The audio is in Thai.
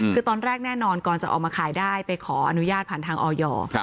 คือตอนแรกแน่นอนก่อนจะออกมาขายได้ไปขออนุญาตผ่านทางออย